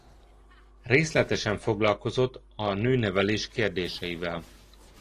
Részletesen foglalkozott a nőnevelés kérdéseivel.